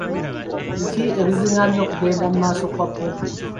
Biki ebizingamya okugenda mu maaso kwa pulojekiti?